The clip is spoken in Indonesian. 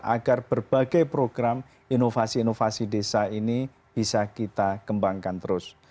agar berbagai program inovasi inovasi desa ini bisa kita kembangkan terus